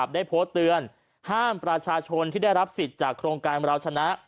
ได้โพสต์เตือนห้ามประชาชนที่ได้รับสิทธิ์จากโครงการเราชนะ